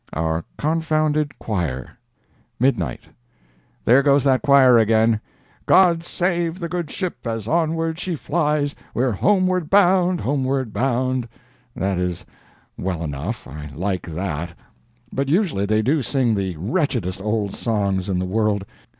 OUR CONFOUNDED CHOIR MIDNIGHT—There goes that choir again: "God save the good ship as onward she flies! We're homeward bound! homeward bound!" That is well enough—I like that. But usually they do sing the wretchedest old songs in the world.